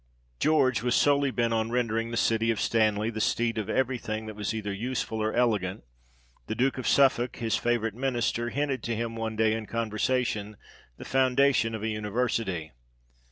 George was solely bent on rendering the city of Stanley the seat of every thing that was either useful or elegant ; the Duke of Suffolk, his favourite Minister, hinted to him one day in conversation, the foundation of a university.